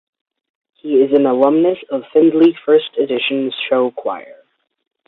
He is an alumnus of Findlay First Edition Show Choir.